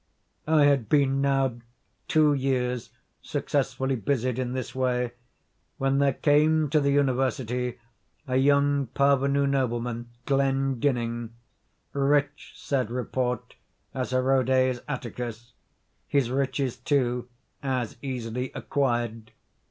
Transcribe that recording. I had been now two years successfully busied in this way, when there came to the university a young parvenu nobleman, Glendinning—rich, said report, as Herodes Atticus—his riches, too, as easily acquired.